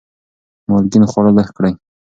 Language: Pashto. مالګین خواړه لږ کړئ.